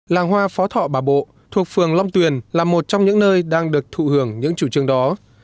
làng hoa phó thọ bà bộ thuộc phường long tuyền là một trong những nơi đang được thụ hưởng những chủ trương đó